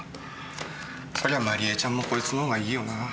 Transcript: そりゃまりえちゃんもこいつの方がいいよな。